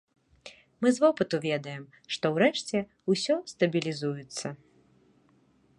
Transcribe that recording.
Мы з вопыту ведаем, што, урэшце, усё стабілізуецца.